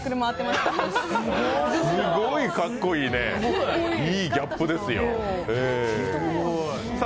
すごいかっこいいね、いいギャップですよ。